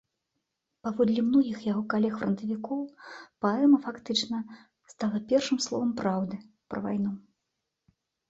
Паводле многіх яго калег-франтавікоў, паэма фактычна, стала першым словам праўды пра вайну.